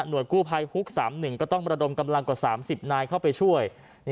กู้ภัยฮุก๓๑ก็ต้องระดมกำลังกว่า๓๐นายเข้าไปช่วย